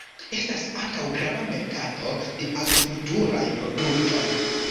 Estas ankaŭ grava merkato de agrikulturaj produktoj.